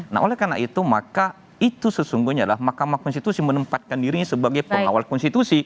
nah oleh karena itu maka itu sesungguhnya adalah mahkamah konstitusi menempatkan dirinya sebagai pengawal konstitusi